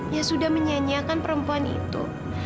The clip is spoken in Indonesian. yang sudah menyanyiakan perempuan itu